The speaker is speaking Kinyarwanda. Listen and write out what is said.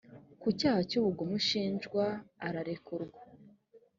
ku cyaha cy ubugome ushinjwa ararekurwa